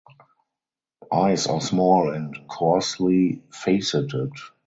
Eyes are small and coarsely faceted.